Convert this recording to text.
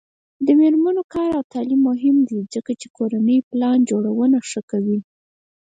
د میرمنو کار او تعلیم مهم دی ځکه چې کورنۍ پلان جوړونه ښه کوي.